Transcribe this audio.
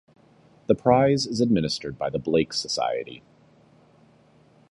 The prize is administered by the Blake Society.